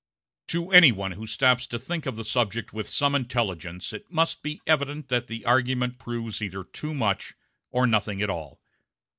To any one who stops to think of the subject with some intelligence it must be evident that the argument proves either too much or nothing at all.